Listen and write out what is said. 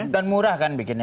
dan murah kan bikinnya